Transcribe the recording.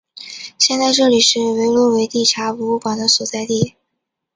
现在这里是维罗维蒂察博物馆的所在地。